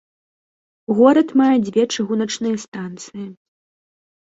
Горад мае дзве чыгуначныя станцыі.